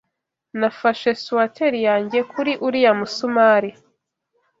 Nafashe swater yanjye kuri uriya musumari.